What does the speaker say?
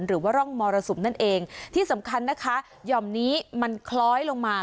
หรือว่าร่องมรสุมนั่นเองที่สำคัญนะคะหย่อมนี้มันคล้อยลงมา